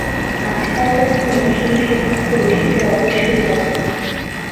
আজকালকার দিনে সেই সৌভাগ্য রশিদের অবশ্যই হবে না।